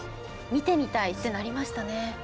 見てみたいってなりましたね。